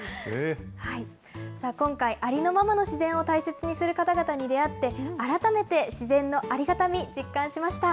今回、ありのままの自然を大切にする方々に出会って、改めて自然のありがたみ、実感しました。